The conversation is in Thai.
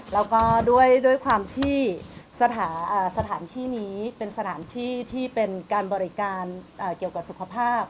แล้วก็ด้วยความที่สถานที่นี้เป็นสถานที่ที่เป็นการบริการเกี่ยวกับสุขภาพ